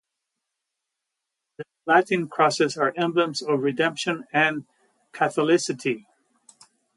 The Latin crosses are emblems of Redemption and Catholicity.